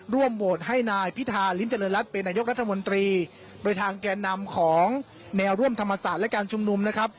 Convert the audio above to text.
ร่วมโหวตให้นายพิธาริมเจริญรัฐเป็นนายกรัฐมนตรีโดยทางแก่นำของแนวร่วมธรรมศาสตร์และการชุมนุมนะครับ